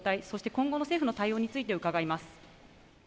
今後の政府の対策について伺います。